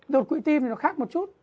đột quỷ tim thì nó khác một chút